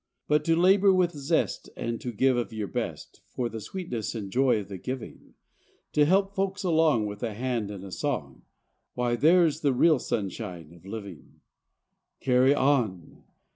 But to labour with zest, and to give of your best, For the sweetness and joy of the giving; To help folks along with a hand and a song; Why, there's the real sunshine of living. Carry on!